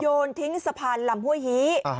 โยนทิ้งสะพานลำห้วยฮี